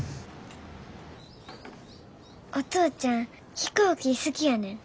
お父ちゃん飛行機好きやねん。